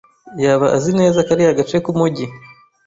Yaba azi neza kariya gace k'umujyi?